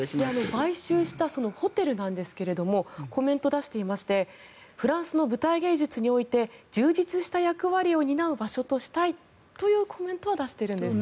買収したホテルなんですがコメントを出していましてフランスの舞台芸術において充実した役割を担う場所としたいというコメントは出しているんです。